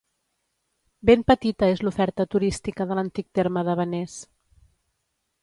Ben petita és l'oferta turística de l'antic terme de Benés.